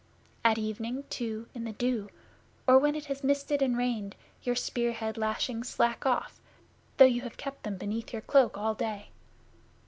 At evening, too, in the dew, or when it has misted and rained, your spear head lashings slack off, though you have kept them beneath your cloak all day.